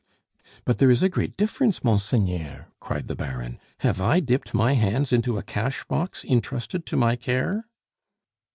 "But there is a great difference, monseigneur!" cried the baron. "Have I dipped my hands into a cash box intrusted to my care?"